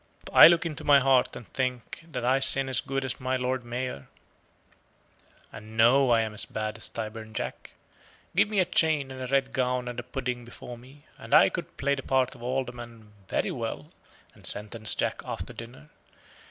I look into my heart and think that I sin as good as my Lord Mayor, and know I am as bad as Tyburn Jack. Give me a chain and red gown and a pudding before me, and I could play the part of Alderman very well, and sentence Jack after dinner.